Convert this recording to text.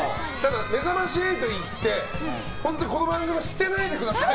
「めざまし８」に行って、本当にこの番組を捨てないでください。